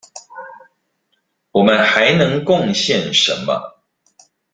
我們還能貢獻什麼？